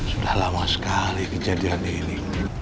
sudah lama sekali kejadian ini